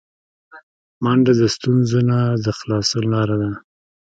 منډه د ستونزو نه د خلاصون لاره ده